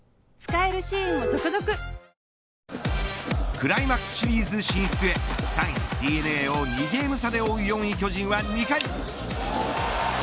クライマックスシリーズ進出へ３位、ＤｅＮＡを２ゲーム差で追う巨人は２回。